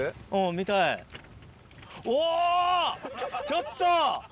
ちょっと！